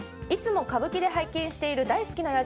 いつも歌舞伎で拝見している大好きな